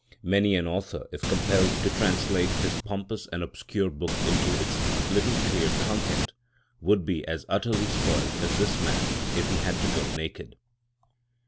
Many an author, if compelled to translate his pompous and obscure book into its little clear content, would be as utterly spoilt as this man if he had to go naked.